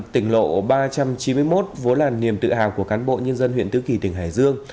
tỉnh lộ ba trăm chín mươi một vốn là niềm tự hào của cán bộ nhân dân huyện tứ kỳ tỉnh hải dương